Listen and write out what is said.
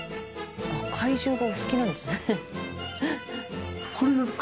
怪獣がお好きなんですね。